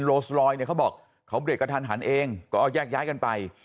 โลสลอยเนี่ยเขาบอกเขาเบรกกระทันหันเองก็เอาแยกย้ายกันไป